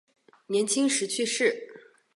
年轻时去世。